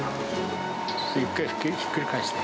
一回ひっくり返して。